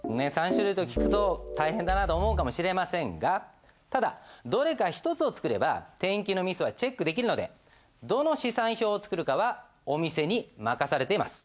３種類と聞くと大変だなと思うかもしれませんがただどれか１つを作れば転記のミスはチェックできるのでどの試算表を作るかはお店に任されています。